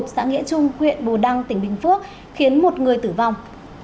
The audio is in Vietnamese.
xã nghĩa trung huyện bù đăng tỉnh bình phước khiến một người tử vong